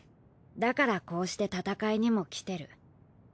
だからこうして戦いにも来てる。